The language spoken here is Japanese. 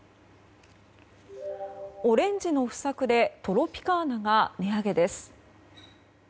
オレンジの不作でトロピカーナが値上げです。